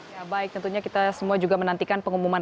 ya baik tentunya kita semua juga menantikan pengumuman